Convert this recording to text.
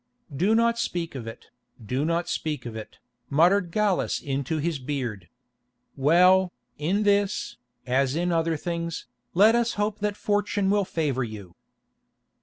"Do not speak of it, do not speak of it," muttered Gallus into his beard. "Well, in this, as in other things, let us hope that fortune will favour you."